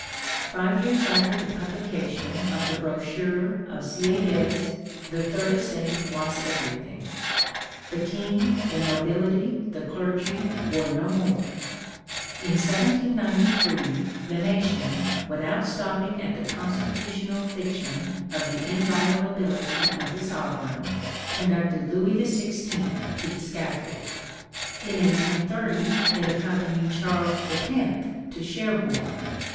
Five years after the publication of the brochure of Sieyes, the third estate was every thing; the king, the nobility, the clergy, were no more. In 1793, the nation, without stopping at the constitutional fiction of the inviolability of the sovereign, conducted Louis XVI. to the scaffold; in 1830, it accompanied Charles X. to Cherbourg.